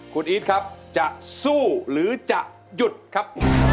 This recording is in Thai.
คุณอีทครับจะสู้หรือจะหยุดครับ